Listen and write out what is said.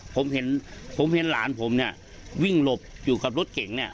ผมเห็นผมเห็นหลานผมเนี่ยวิ่งหลบอยู่กับรถเก่งเนี่ย